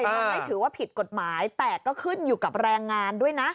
มันไม่ถือว่าผิดกฎหมายแต่ก็ขึ้นอยู่กับแรงงานด้วยนะ